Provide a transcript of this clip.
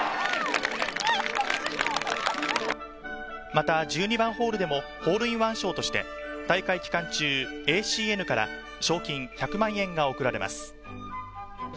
また１２番ホールでもホールインワン賞として、大会期間中、ＡＣＮから賞金１００万円が贈られます。